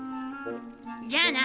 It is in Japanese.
じゃあな。